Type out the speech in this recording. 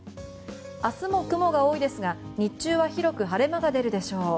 明日も雲が多いですが日中は広く晴れ間が出るでしょう。